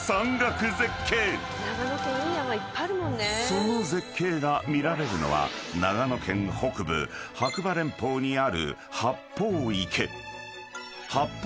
［その絶景が見られるのは長野県北部白馬連峰にある］